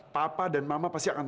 papa dan mama pasti akan